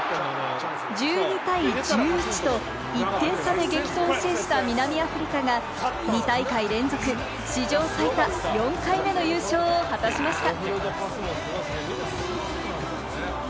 １２対１１と１点差で激闘を制した南アフリカが２大会連続、史上最多４回目の優勝を果たしました。